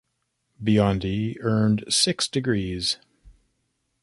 Biondi earned six degrees.